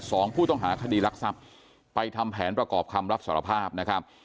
สองผู้ต้องหาคดีรักทรัพย์ไปทำแผนประกอบคำรับสารภาพนะครับ